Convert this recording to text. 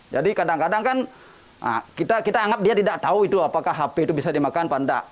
jadi kadang kadang kan kita anggap dia tidak tahu itu apakah hp itu bisa dimakan atau tidak